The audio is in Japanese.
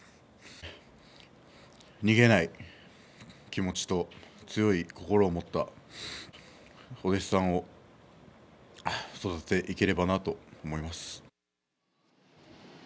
逃げない気持ちと強い心を持ったお弟子さんを育てていければなと思います。